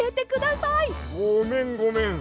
ごめんごめん。